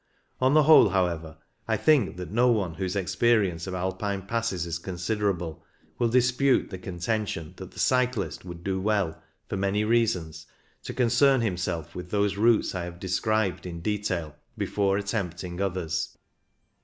On the whole, however, I think that no one whose experience of Alpine passes is considerable will dispute the contention that the cyclist would do well, for many reasons, to concern himself with those routes I have described in detail before attempting others.